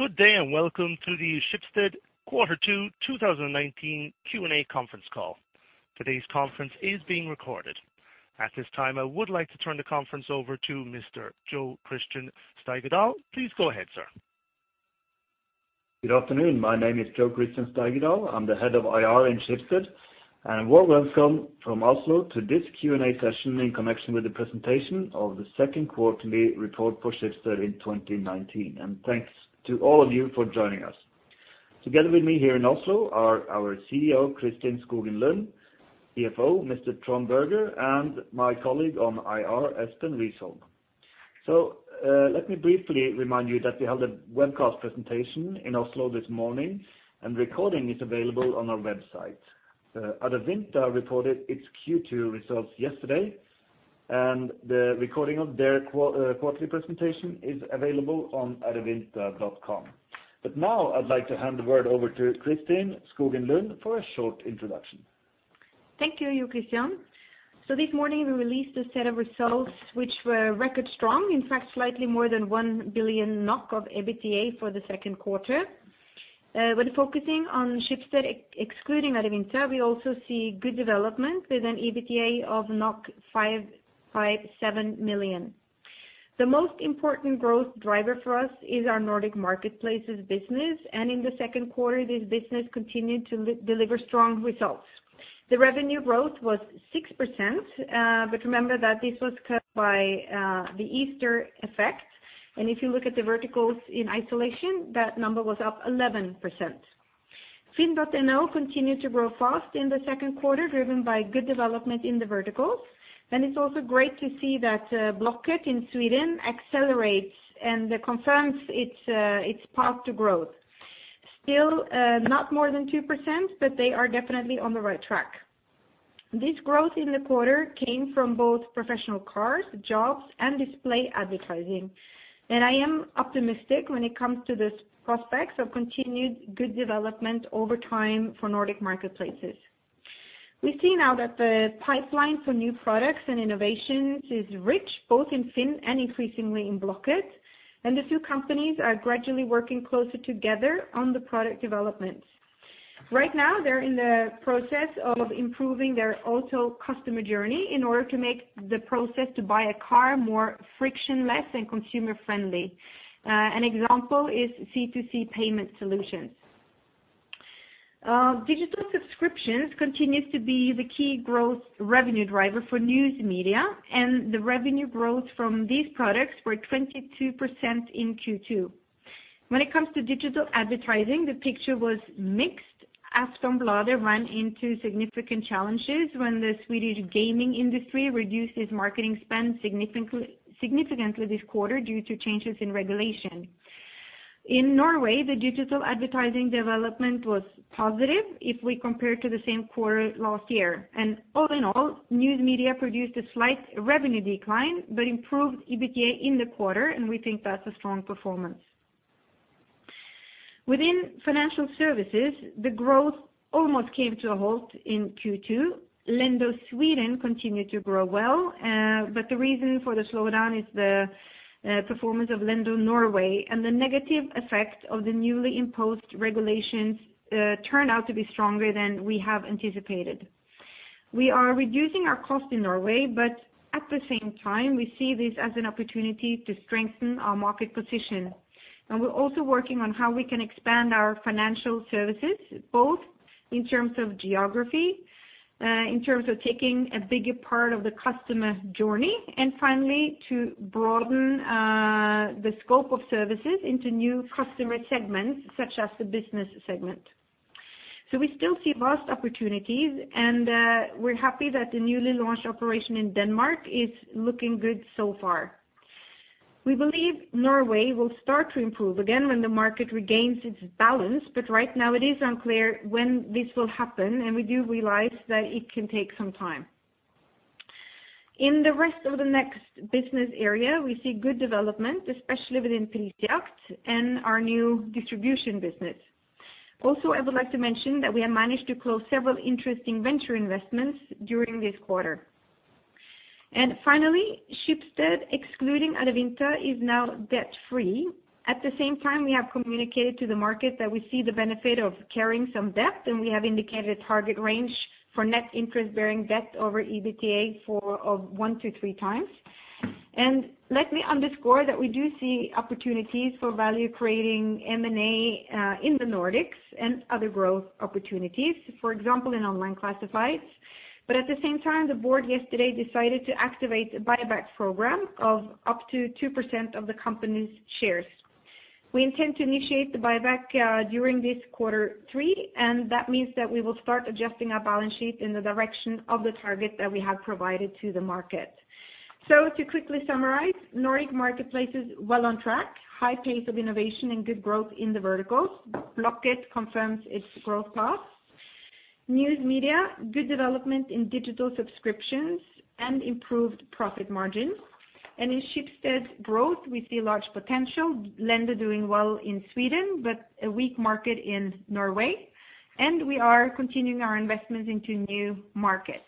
Good day, welcome to the Schibsted Q2, 2019 Q&A conference call. Today's conference is being recorded. At this time, I would like to turn the conference over to Mr. Jo Christian Steigedal. Please go ahead, sir. Good afternoon. My name is Jo Christian Steigedal. I'm the Head of IR in Schibsted. Well, welcome from Oslo to this Q&A session in connection with the presentation of the second quarterly report for Schibsted in 2019. Thanks to all of you for joining us. Together with me here in Oslo are our CEO, Kristin Skogen Lund, CFO, Mr. Trond Berger, and my colleague on IR, Espen Vesaas. Let me briefly remind you that we held a webcast presentation in Oslo this morning, and recording is available on our website. Adevinta reported its Q2 results yesterday, and the recording of their quarterly presentation is available on adevinta.com. Now I'd like to hand the word over to Kristin Skogen Lund for a short introduction. Thank you, Jo Christian. This morning, we released a set of results which were record strong, in fact slightly more than 1 billion NOK of EBITDA for the Q2. When focusing on Schibsted excluding Adevinta, we also see good development with an EBITDA of 557 million. The most important growth driver for us is our Nordic Marketplaces business. In the Q2, this business continued to deliver strong results. The revenue growth was 6%, remember that this was cut by the Easter effect. If you look at the verticals in isolation, that number was up 11%. FINN.no continued to grow fast in the Q2, driven by good development in the verticals. It's also great to see that Blocket in Sweden accelerates and confirms its path to growth. Still, not more than 2%, but they are definitely on the right track. This growth in the quarter came from both professional cars, jobs, and display advertising. I am optimistic when it comes to this prospects of continued good development over time for Nordic Marketplaces. We see now that the pipeline for new products and innovations is rich, both in FINN.no and increasingly in Blocket. The two companies are gradually working closer together on the product development. Right now, they're in the process of improving their auto customer journey in order to make the process to buy a car more frictionless and consumer friendly. An example is C2C payment solutions. Digital subscriptions continues to be the key growth revenue driver for News Media, and the revenue growth from these products were 22% in Q2. When it comes to digital advertising, the picture was mixed. Aftonbladet ran into significant challenges when the Swedish gaming industry reduced its marketing spend significantly this quarter due to changes in regulation. In Norway, the digital advertising development was positive if we compare to the same quarter last year. All in all, News Media produced a slight revenue decline but improved EBITDA in the quarter, and we think that's a strong performance. Within Financial Services, the growth almost came to a halt in Q2. Lendo Sweden continued to grow well, but the reason for the slowdown is the performance of Lendo Norway, and the negative effect of the newly imposed regulations turned out to be stronger than we have anticipated. We are reducing our cost in Norway, but at the same time, we see this as an opportunity to strengthen our market position. We're also working on how we can expand our Financial Services, both in terms of geography, in terms of taking a bigger part of the customer journey, and finally, to broaden the scope of services into new customer segments, such as the business segment. We still see vast opportunities, and we're happy that the newly launched operation in Denmark is looking good so far. We believe Norway will start to improve again when the market regains its balance, but right now it is unclear when this will happen, and we do realize that it can take some time. In the rest of the next business area, we see good development, especially within three jobs and our new distribution business. I would like to mention that we have managed to close several interesting venture investments during this quarter. Finally, Schibsted, excluding Adevinta, is now debt-free. At the same time, we have communicated to the market that we see the benefit of carrying some debt, and we have indicated a target range for net interest-bearing debt over EBITDA of one to three times. Let me underscore that we do see opportunities for value creating M&A in the Nordics and other growth opportunities, for example, in Online Classifieds. At the same time, the board yesterday decided to activate a buyback program of up to 2% of the company's shares. We intend to initiate the buyback during this quarter three, that means that we will start adjusting our balance sheet in the direction of the target that we have provided to the market. To quickly summarize, Nordic Marketplaces is well on track, high pace of innovation and good growth in the verticals. Blocket confirms its growth path. News Media, good development in digital subscriptions and improved profit margin. In Schibsted Growth, we see large potential, Lendo doing well in Sweden, but a weak market in Norway. We are continuing our investments into new markets.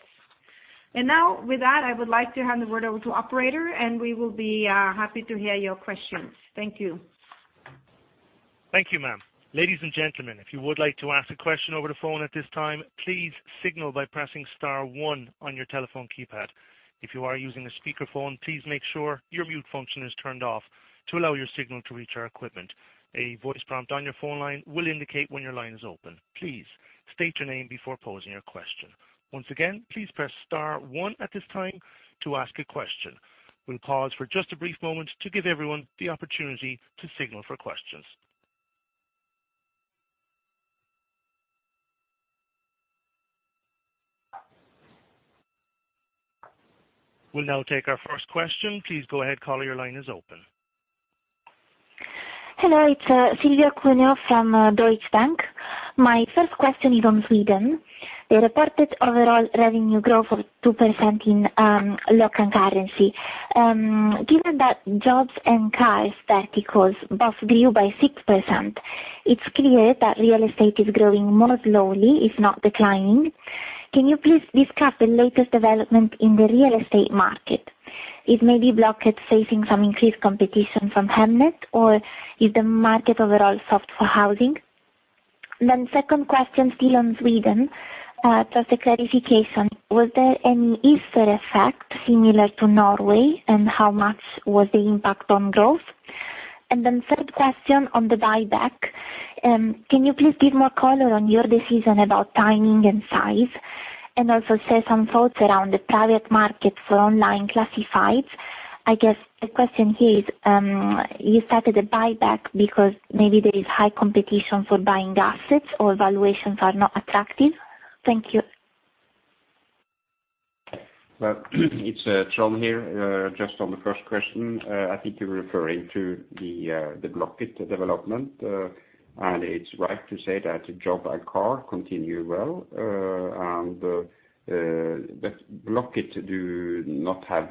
Now with that, I would like to hand the word over to operator, and we will be happy to hear your questions. Thank you. Thank you, ma'am. Ladies and gentlemen, if you would like to ask a question over the phone at this time, please signal by pressing *one on your telephone keypad. If you are using a speakerphone, please make sure your mute function is turned off to allow your signal to reach our equipment. A voice prompt on your phone line will indicate when your line is open. Please state your name before posing your question. Once again, please press *one at this time to ask a question. We'll pause for just a brief moment to give everyone the opportunity to signal for questions. We'll now take our first question. Please go ahead, caller, your line is open. Hello. It's Silvia Cuneo from Deutsche Bank. My first question is on Sweden. The reported overall revenue growth of 2% in local currency. Given that jobs and cars verticals both grew by 6%, it's clear that real estate is growing more slowly if not declining. Can you please discuss the latest development in the real estate market? Is maybe Blocket facing some increased competition from Hemnet, or is the market overall soft for housing? Second question still on Sweden, just a clarification. Was there any Easter effect similar to Norway, and how much was the impact on growth? Third question on the buyback, can you please give more color on your decision about timing and size? Also share some thoughts around the private market for Online Classifieds. I guess the question here is, you started a buyback because maybe there is high competition for buying assets or valuations are not attractive. Thank you. Well, it's Jon here. Just on the first question, I think you're referring to the Blocket development. It's right to say that the job and car continue well. Blocket do not have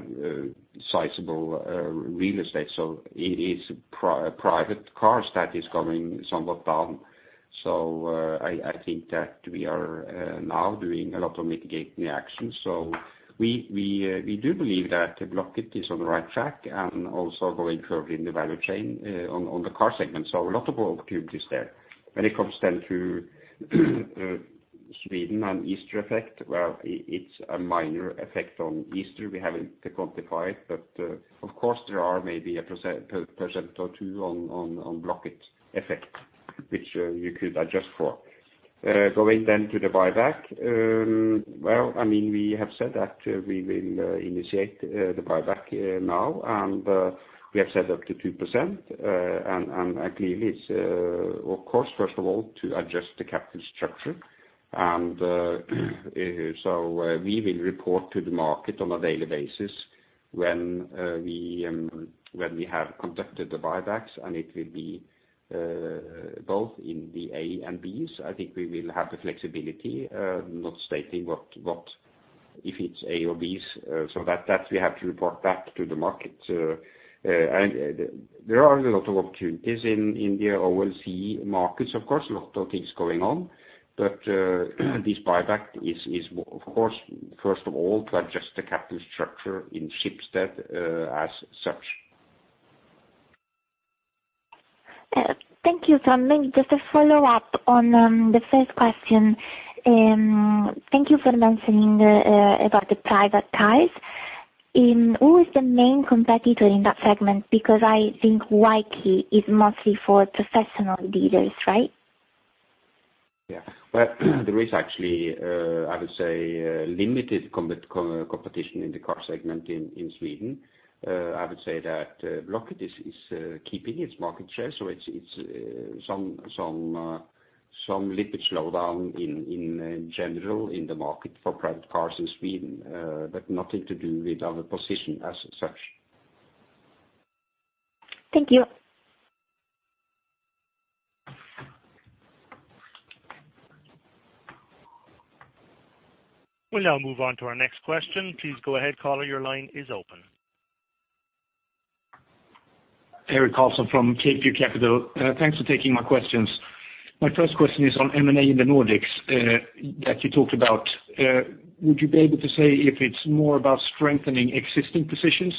sizable real estate, so it is private cars that is going somewhat down. I think that we are now doing a lot of mitigating actions. We do believe that Blocket is on the right track and also going further in the value chain on the car segment, so a lot of opportunities there. When it comes then to Sweden and Easter effect, well, it's a minor effect on Easter. We haven't quantified, but, of course, there are maybe a percent or 2 on Blocket effect, which you could adjust for. Going to the buyback. Well, I mean, we have said that we will initiate the buyback now, we have said up to 2%. Clearly it's, of course, first of all, to adjust the capital structure. We will report to the market on a daily basis when we have conducted the buybacks, it will be both in the A and Bs. I think we will have the flexibility, not stating if it's A or Bs, so that we have to report back to the market. There are a lot of opportunities in the OLC markets, of course, a lot of things going on. This buyback is of course, first of all, to adjust the capital structure in Schibsted as such. Thank you. Maybe just a follow-up on the first question. Thank you for mentioning about the private cars. Who is the main competitor in that segment? Because I think Wayke is mostly for professional dealers, right? Yeah. Well, there is actually, I would say, limited competition in the car segment in Sweden. I would say that Blocket is keeping its market share, so it's some little slowdown in general, in the market for private cars in Sweden, but nothing to do with our position as such. Thank you. We'll now move on to our next question. Please go ahead, caller, your line is open. Erik Karlsson from CapeView Capital. Thanks for taking my questions. My first question is on M&A in the Nordics, that you talked about. Would you be able to say if it's more about strengthening existing positions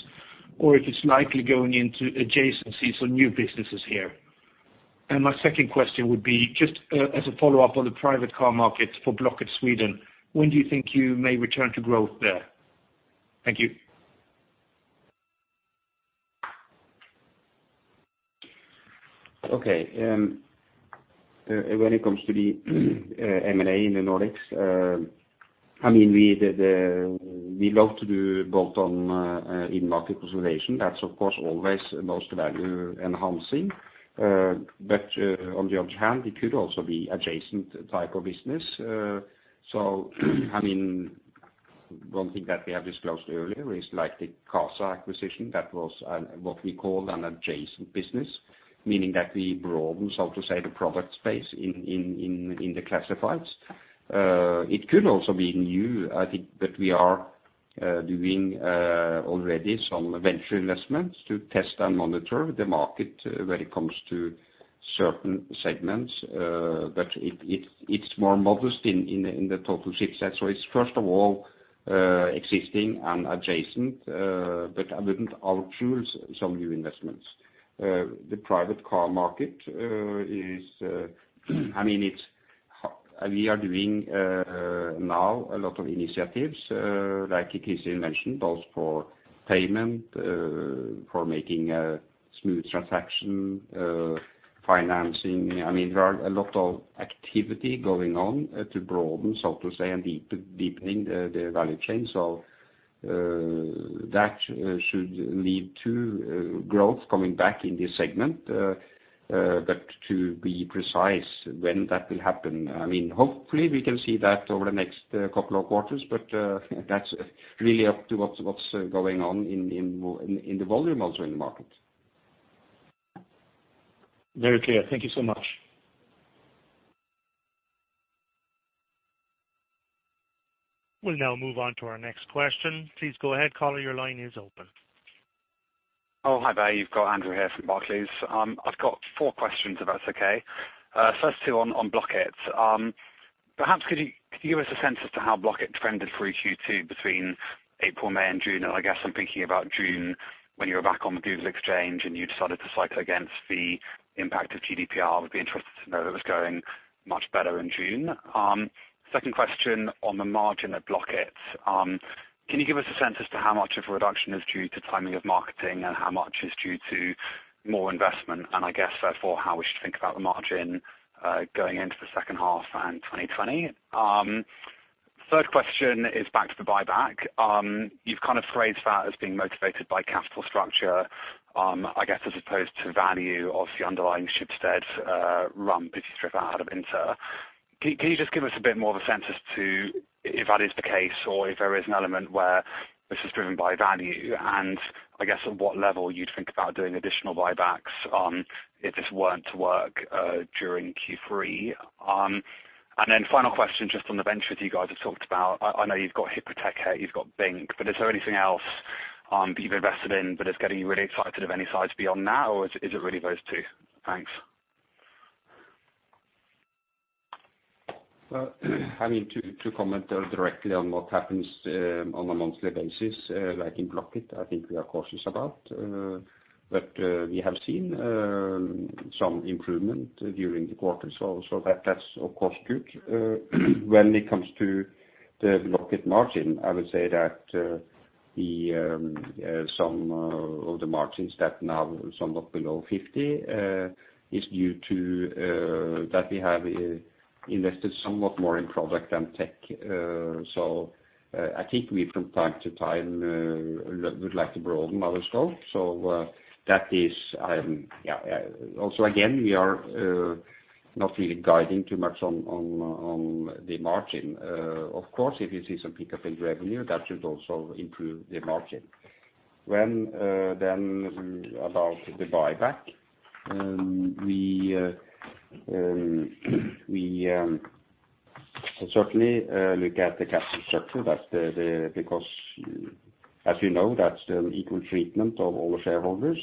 or if it's likely going into adjacencies or new businesses here? My second question would be just as a follow-up on the private car market for Blocket Sweden, when do you think you may return to growth there? Thank you. Okay. When it comes to the M&A in the Nordics, I mean, we did, we love to do bolt-on in market consolidation. That's of course always most value enhancing. On the other hand, it could also be adjacent type of business. I mean, one thing that we have disclosed earlier is like the Casa acquisition. That was what we call an adjacent business, meaning that we broaden, so to say, the product space in the classifieds. It could also be new, I think, but we are doing already some venture investments to test and monitor the market when it comes to certain segments, but it's more modest in the total shift. It's first of all, existing and adjacent, but I wouldn't outrule some new investments. The private car market is, I mean, we are doing now a lot of initiatives, like Kristin mentioned, both for payment, for making a smooth transaction, financing. I mean, there are a lot of activity going on to broaden, so to say, and deepen the value chain. That should lead to growth coming back in this segment. To be precise, when that will happen, I mean, hopefully, we can see that over the next couple of quarters, but that's really up to what's going on in the volume also in the market. Very clear. Thank you so much. We'll now move on to our next question. Please go ahead, caller, your line is open. Hi there. You've got Andrew here from Barclays. I've got 4 questions, if that's okay. First 2 on Blocket. Perhaps could you give us a sense as to how Blocket trended through Q2 between April, May, and June? I guess I'm thinking about June when you were back on the Google Exchange, and you decided to cycle against the impact of GDPR. I would be interested to know if it was going much better in June. Second question on the margin at Blocket. Can you give us a sense as to how much of a reduction is due to timing of marketing and how much is due to more investment? I guess therefore, how we should think about the margin going into the second half and 2020. Third question is back to the buyback. You've kind of phrased that as being motivated by capital structure, I guess, as opposed to value of the underlying Schibsted rump, if you strip that out of Adevinta. Can you just give us a bit more of a sense as to if that is the case or if there is an element where this is driven by value? I guess, at what level you'd think about doing additional buybacks, if this weren't to work during Q3. Final question, just on the ventures you guys have talked about. I know you've got Hypotec, you've got Bynk, but is there anything else you've invested in but it's getting you really excited of any size beyond now or is it really those two? Thanks. Well, I mean, to comment directly on what happens on a monthly basis, like in Blocket, I think we are cautious about. We have seen some improvement during the quarter, so that has, of course, good. When it comes to the Blocket margin, I would say that some of the margins that now somewhat below 50 is due to that we have invested somewhat more in product than tech. I think we from time to time would like to broaden our scope. That is, yeah. Also again, we are not really guiding too much on the margin. Of course, if you see some pickup in revenue, that should also improve the margin. When then about the buyback, we certainly look at the capital structure. That's the. Because as you know, that's an equal treatment of all shareholders.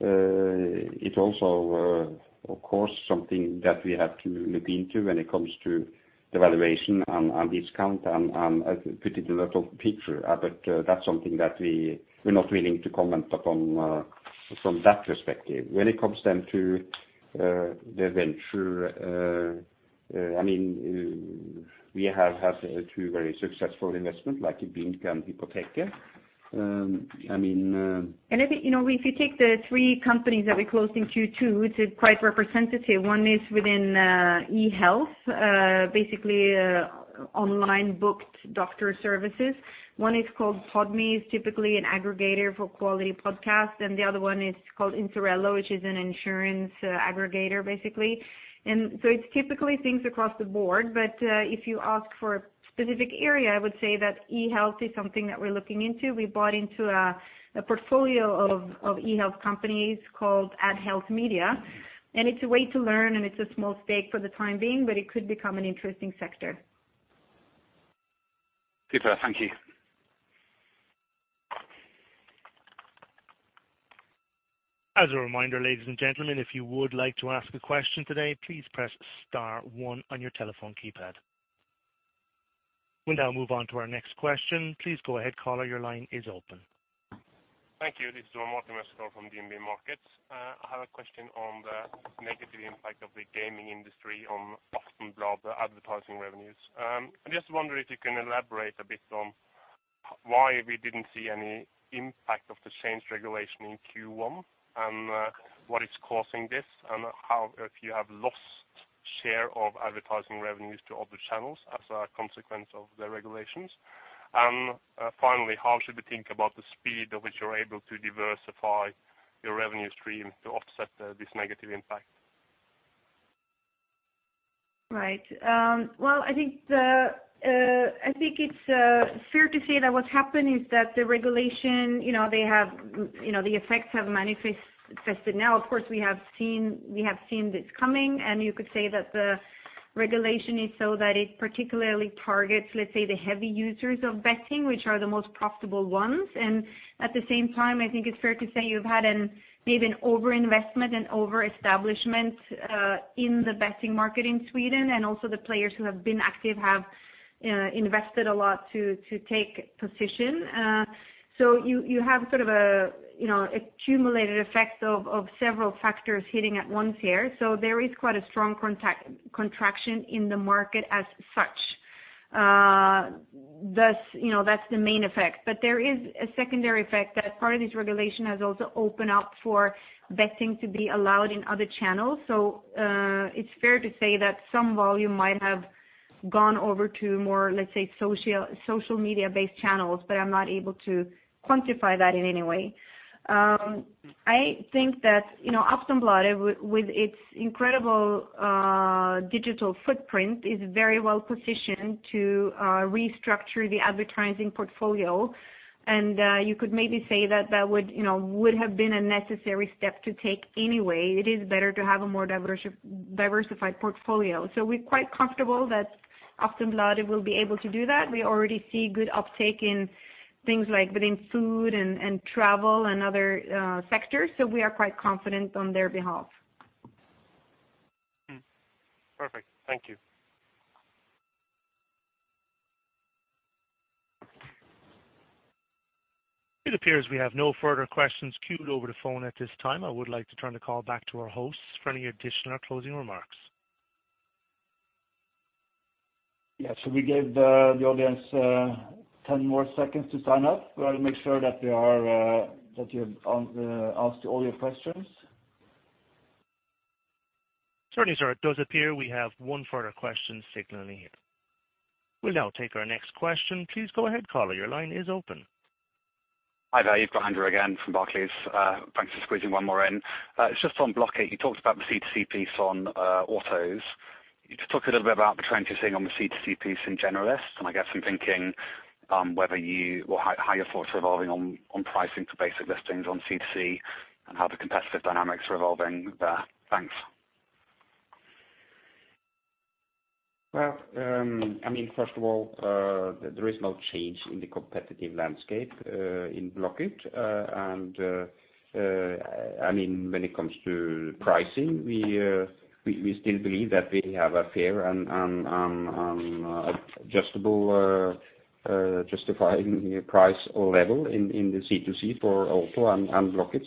It also, of course, something that we have to look into when it comes to the valuation and discount and a particular total picture. That's something that we're not willing to comment upon from that perspective. When it comes then to the venture, I mean, we have had two very successful investment like Bynk and Hypotec. I mean. If you know, if you take the three companies that we closed in Q2, it's quite representative. One is within e-health, basically, online booked doctor services. One is called Podme, is typically an aggregator for quality podcast, and the other one is called Insurello, which is an insurance aggregator, basically. It's typically things across the board. If you ask for a specific area, I would say that e-health is something that we're looking into. We bought into a portfolio of e-health companies called Add Health Media, and it's a way to learn, and it's a small stake for the time being, but it could become an interesting sector. Super. Thank you. As a reminder, ladies and gentlemen, if you would like to ask a question today, please press *one on your telephone keypad. We'll now move on to our next question. Please go ahead, caller, your line is open. Thank you. This is I think it's fair to say that what's happened is that the regulation, you know, they have, you know, the effects have manifested now. Of course, we have seen, we have seen this coming, and you could say that the regulation is so that it particularly targets, let's say, the heavy users of betting, which are the most profitable ones. At the same time, I think it's fair to say you've had maybe an over-investment and over-establishment in the betting market in Sweden, and also the players who have been active have invested a lot to take position. You have sort of a, you know, accumulated effect of several factors hitting at once here. There is quite a strong contraction in the market as such. Thus, you know, that's the main effect. There is a secondary effect that part of this regulation has also opened up for betting to be allowed in other channels. It's fair to say that some volume might have gone over to more, let's say, social media-based channels, but I'm not able to quantify that in any way. I think that, you know, Aftonbladet with its incredible digital footprint, is very well-positioned to restructure the advertising portfolio. You could maybe say that that would, you know, would have been a necessary step to take anyway. It is better to have a more diversified portfolio. We're quite comfortable that Aftonbladet will be able to do that. We already see good uptake in things like within food and travel and other sectors, so we are quite confident on their behalf. Perfect. Thank you. It appears we have no further questions queued over the phone at this time. I would like to turn the call back to our hosts for any additional closing remarks. Yeah. Shall we give the audience, 10 more seconds to sign up? We want to make sure that they are, that you've answered all your questions. Certainly, sir. It does appear we have one further question signaling in. We'll now take our next question. Please go ahead, caller, your line is open. Hi there, you've got Andrew again from Barclays. Thanks for squeezing one more in. It's just on Blocket. You talked about the C2C piece on autos. Could you talk a little bit about the trends you're seeing on the C2C piece in generalish, and I guess I'm thinking, Well, how you folks are evolving on pricing for basic listings on C2C and how the competitive dynamics are evolving there? Thanks. First of all, there is no change in the competitive landscape in Blocket. When it comes to pricing, we still believe that we have a fair and adjustable justifying price or level in the C2C for auto and Blocket.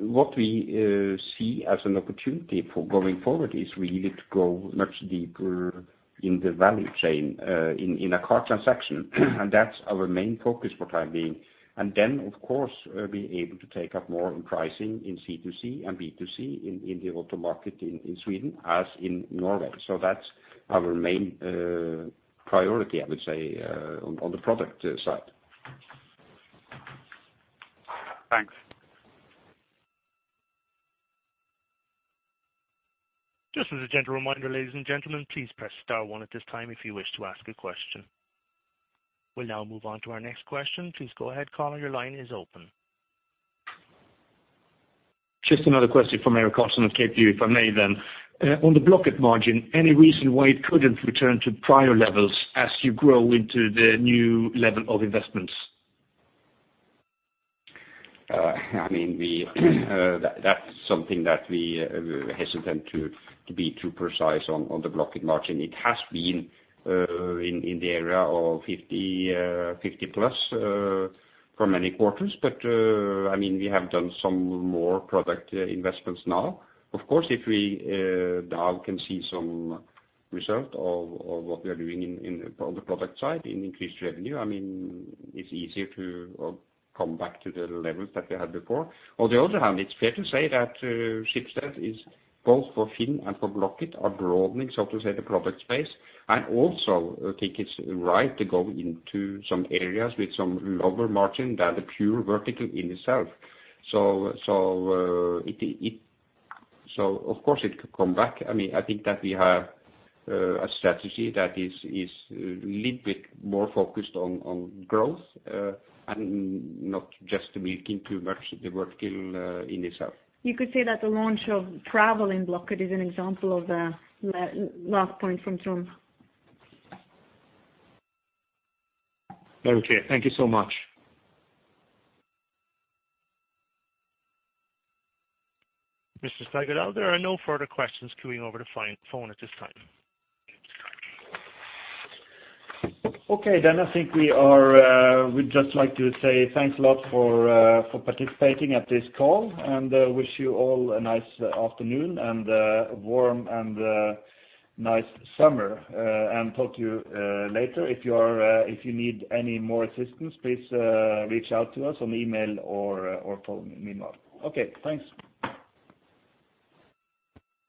What we see as an opportunity for going forward is we need to go much deeper in the value chain in a car transaction, and that's our main focus for time being. Of course, be able to take up more on pricing in C2C and B2C in the auto market in Sweden as in Norway. That's our main priority, I would say, on the product side. Thanks. Just as a gentle reminder, ladies and gentlemen, please press *one at this time if you wish to ask a question. We'll now move on to our next question. Please go ahead, caller, your line is open. Just another question from Eirik Karlsson of CapeView, if I may, then. On the Blocket margin, any reason why it couldn't return to prior levels as you grow into the new level of investments? Uh, I mean, we. Uh, that-that's something that we are hesitant to be too precise on the Blocket margin. It has been, uh, in the area of fifty, uh, fifty plus, uh, for many quarters. But, uh, I mean, we have done some more product, uh, investments now. Of course, if we, uh, now can see some result of what we are doing in all the product side in increased revenue, I mean, it's easier to, uh, come back to the levels that we had before. On the other hand, it's fair to say that, uh, Schibsted is both for FINN.no and for Blocket are broadening, so to say, the product space, and also think it's right to go into some areas with some lower margin than the pure vertical in itself. So, so, uh, it. So of course, it could come back. I mean, I think that we have, a strategy that is a little bit more focused on growth, and not just milking too much the vertical, in itself. You could say that the launch of travel in Blocket is an example of the last point from Trond. Very clear. Thank you so much. Mr. Steigedal, there are no further questions queuing over the phone at this time. I think we are, we'd just like to say thanks a lot for participating at this call, and wish you all a nice afternoon and warm and nice summer, and talk to you later. If you need any more assistance, please reach out to us on email or phone me more. Okay, thanks.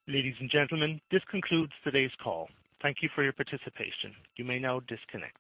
Ladies and gentlemen, this concludes today's call. Thank you for your participation. You may now disconnect.